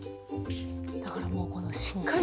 だからもうこのしっかりとね。